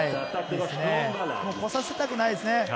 来させたくないですね。